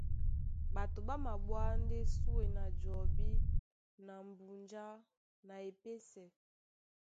Ɓato ɓá maɓwá ndé súe na jɔbí na mbúnjá na epésɛ.